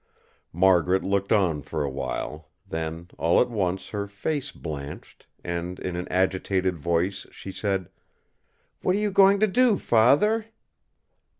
Margaret looked on for a while; then all at once her face blanched, and in an agitated voice she said: "What are you going to do, Father?"